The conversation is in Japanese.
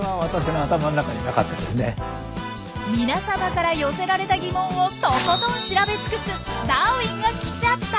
皆様から寄せられた疑問をとことん調べ尽くすダーウィンが来ちゃった！